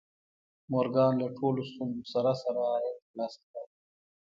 مورګان له ټولو ستونزو سره سره عاید ترلاسه کړ